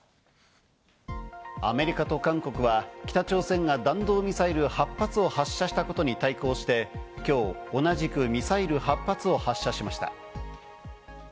アメリカと韓国は北朝鮮が弾道ミサイル８発を発射したことに対抗して、今日、同じくミサイル８発を発射しました。